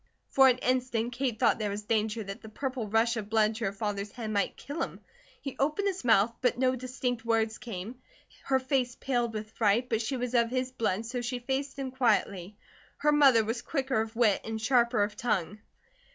For an instant Kate thought there was danger that the purple rush of blood to her father's head might kill him. He opened his mouth, but no distinct words came. Her face paled with fright, but she was of his blood, so she faced him quietly. Her mother was quicker of wit, and sharper of tongue.